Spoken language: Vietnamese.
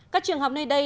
các trường học nơi đây